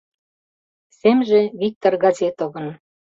Семже Виктор Газетовын